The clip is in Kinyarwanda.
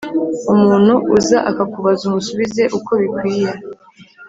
Umuntu uza akakubaza umusubize uko bikwiye.